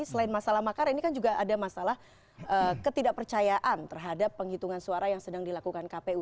selain masalah makar ini kan juga ada masalah ketidakpercayaan terhadap penghitungan suara yang sedang dilakukan kpu